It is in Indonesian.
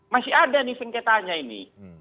masih ada nih sengketanya ini